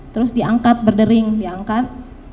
terus diangkat berdering diangkat